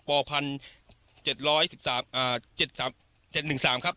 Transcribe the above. ปพันเซ็ทร้อยสิบสามอ่าเจ็ดสามเจ็ดหนึ่งสามครับ